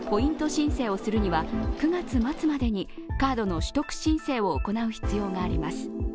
申請をするには９月末までにカードの取得申請を行う必要があります。